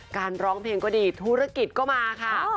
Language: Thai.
ร้องเพลงก็ดีธุรกิจก็มาค่ะ